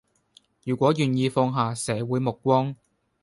如果願意放下社會目光